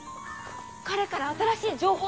彼から新しい情報です。